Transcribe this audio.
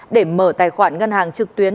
để mở tài khoản ngân hàng trực tuyến